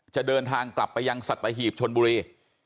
จะเดินทางกลับไปยังสัตหีบชนบุรี